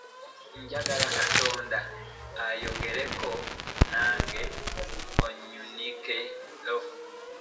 Njagala Katonda ayogereko nange annyanukule.